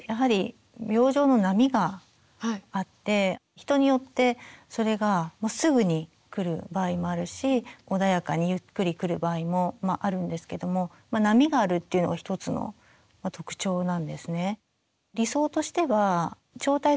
人によってそれがすぐに来る場合もあるし穏やかにゆっくり来る場合もあるんですけども波があるっていうのが一つの特徴なんですね。